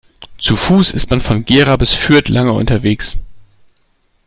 Zu Fuß ist man von Gera bis Fürth lange unterwegs